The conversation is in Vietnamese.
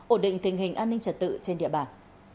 ổn định tình hình an ninh trật tự trên địa bàn